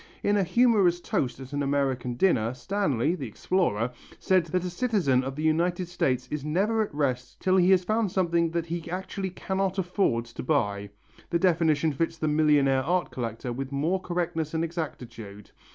In a humorous toast at an American dinner, Stanley, the explorer, said that a citizen of the United States is never at rest till he has found something that he actually cannot afford to buy. The definition fits the millionaire art collector with more correctness and exactitude.